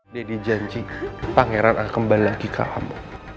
deddy janji pangeran akan kembali lagi ke kamu